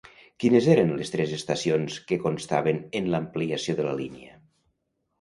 Quines eren les tres estacions que constaven en l'ampliació de la línia?